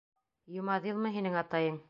Йомаҙилмы һинең атайың?